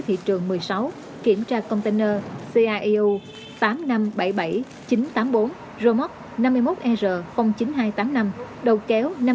thị trường một mươi sáu kiểm tra container caeu tám triệu năm trăm bảy mươi bảy nghìn chín trăm tám mươi bốn